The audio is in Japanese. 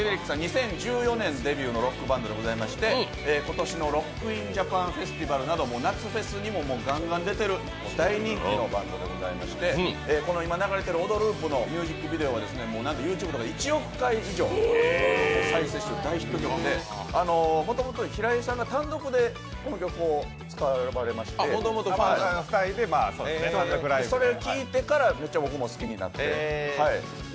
２０１４年デビューのロックバンドでございまして、今年のＲＯＣＫＩＮＪＡＰＡＮＦＥＳＴＩＶＡＬなど夏フェスにもガンガン出てる大人気のバンドでございまして、今流れている「オドループ」のＹｏｕＴｕｂｅは１億回以上、再生されて大人気でもともと平井さんが単独でこの曲を使われまして、それ聴いてからめっちゃぼくも好きになって。